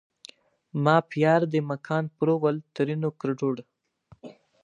ما پیار دې مکان پرول؛ ترينو کړدود